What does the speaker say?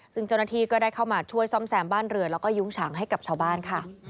ซึ่งเจ้าหน้าที่ก็ได้เข้ามาช่วยซ่อมแซมบ้านเรือแล้วก็ยุ้งฉางให้กับชาวบ้านค่ะ